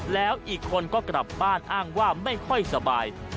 แล้วอีกคนก็กลับบ้านอ้างว่าไม่ค่อยสบาย